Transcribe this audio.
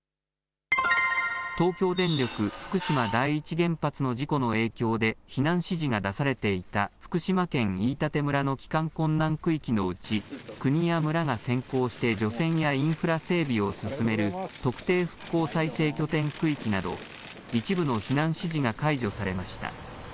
東京電力福島第一原発の事故の影響で避難指示が出されていた福島県飯舘村の帰還困難区域のうち、国や村が先行して除染やインフラ整備を進める特定復興再生拠点区域など一部の避難指示が解除されました。